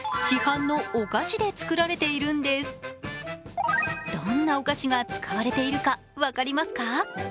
どんなお菓子が使われているか分かりますか？